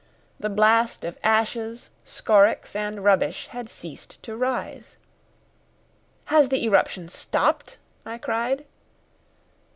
The blast of ashes, scorix, and rubbish had ceased to rise. "Has the eruption stopped?" I cried.